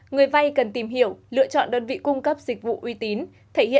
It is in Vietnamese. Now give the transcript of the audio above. người dân cần chú ý để đảm bảo sức khỏe